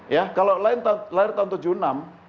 ya kalau lahir tahun seribu sembilan ratus tujuh puluh enam